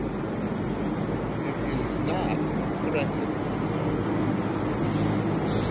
It is not threatened.